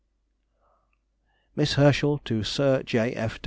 MISS HERSCHEL TO SIR J.